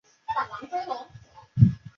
他也在雪梨夏季奥运结束后正式退休。